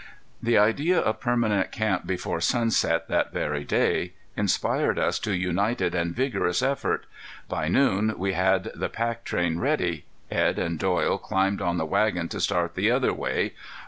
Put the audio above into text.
The idea of permanent camp before sunset that very day inspired us to united and vigorous effort. By noon we had the pack train ready. Edd and Doyle climbed on the wagon to start the other way.